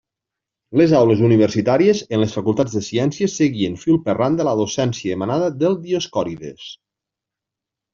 Les aules universitàries en les facultats de ciències seguien fil per randa la docència emanada del Dioscòrides.